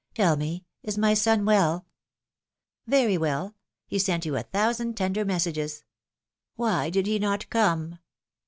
Tell me, is my son well ?" ^^Very well; he sent you a thousand tender mes sages !" Why did he not come?"